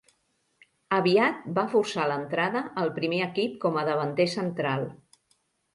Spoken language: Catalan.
Aviat va forçar l'entrada al primer equip com a davanter central.